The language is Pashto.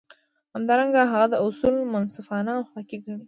همدارنګه هغه دا اصول منصفانه او اخلاقي ګڼي.